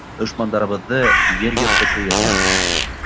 Дошмандарыбыҙҙы ер йотто тиерһең.